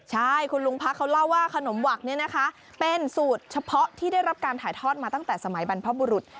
ใช่คุณลุงพระเขาเล่าว่าขนมหวักเนี่ยนะคะเป็นสูตรเฉพาะที่ได้รับการถ่ายทอดมาตั้งแต่สมัยบรรพบุรุษ